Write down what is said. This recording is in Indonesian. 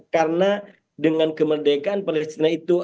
karena dengan kemerdekaan palestina itu